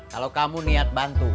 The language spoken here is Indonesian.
kalau kamu niat bantu